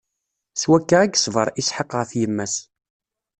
S wakka i yeṣber Isḥaq ɣef yemma-s.